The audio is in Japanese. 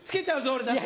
俺だって！